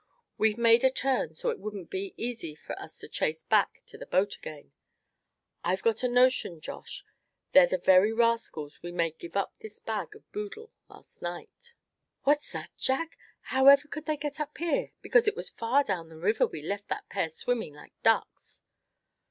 "We've made a turn so it wouldn't be easy for us to chase back to the boat again. I've got a notion, Josh, they're the very rascals we made give up this bag of boodle last night!" "What's that, Jack? However could they get up here; because it was far down the river we left that pair swimming like ducks?"